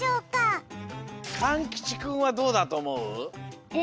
かんきちくんはどうだとおもう？